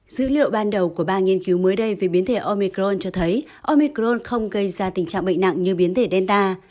dữ liệu ban đầu của ba nghiên cứu mới đây về biến thể omicron cho thấy omicron không gây ra tình trạng bệnh nặng như biến thể delta